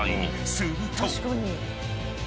［すると］